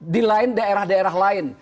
di lain daerah daerah lain